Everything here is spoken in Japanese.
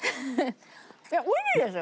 いやおいしいですよ？